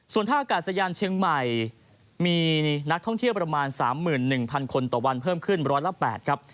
ส่วนท่ากาศยานเชียงใหม่มีนักท่องเที่ยวประมาณ๓๑๐๐คนต่อวันเพิ่มขึ้นร้อยละ๘ครับ